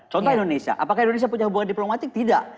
contoh indonesia apakah indonesia punya hubungan diplomatik tidak